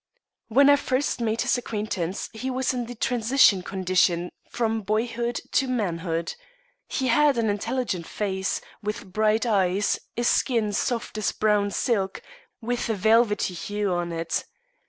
When first I made his acquaintance he was in the transition condition from boyhood to manhood. He had an intelligent face, with bright eyes, a skin soft as brown silk, with a velvety hue on it.